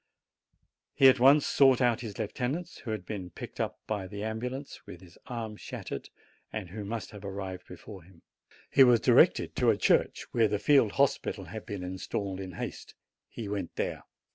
He at once sought out his lieutenant, who had been picked up by the ambulance, with his arm shattered, and who must have arrived before him. He was directed to a church, where the field hospital had been installed in haste. He went there.